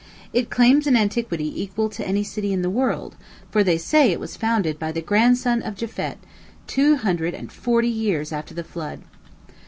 It claims an antiquity equal to any city in the world; for they say it was founded by the grandson of Japhet, two hundred and forty years after the flood!